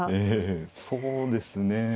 ええそうですね。